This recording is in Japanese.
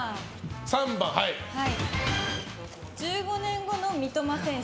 １５年後の三苫選手。